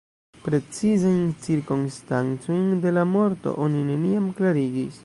Precizajn cirkonstancojn de la morto oni neniam klarigis.